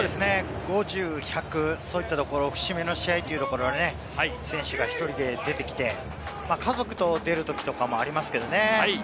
５０、１００、そういったところの節目の試合は選手が１人で出てきて、家族と出るときもありますけどね。